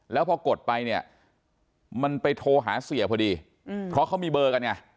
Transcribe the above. แล้วพอกดไปเนี่ยมันไปโทรหาเสียพอดีเพราะเขามีเบอร์กันไง